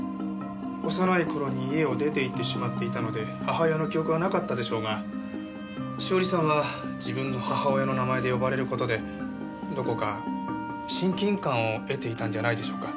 幼い頃に家を出て行ってしまっていたので母親の記憶はなかったでしょうが栞さんは自分の母親の名前で呼ばれる事でどこか親近感を得ていたんじゃないでしょうか。